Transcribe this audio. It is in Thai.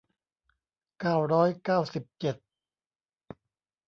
เก้าร้อยเก้าสิบเจ็ด